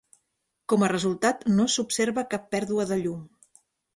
Com a resultat, no s'observa cap pèrdua de llum.